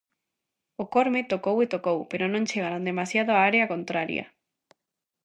O Corme tocou e tocou, pero non chegaron demasiado a área contraria.